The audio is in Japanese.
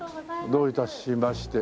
どういたしまして。